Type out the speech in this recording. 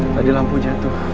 tadi lampu jatuh